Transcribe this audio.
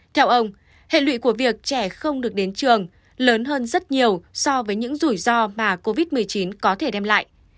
theo ông hệ lụy của việc trẻ không được đến trường lớn hơn rất nhiều so với những rủi ro mà covid một mươi chín có thể đem lại